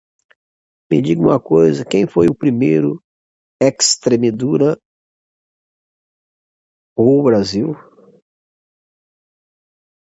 Me diga uma coisa, quem foi o primeiro, Extremadura ou o Brasil?